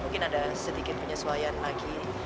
mungkin ada sedikit penyesuaian lagi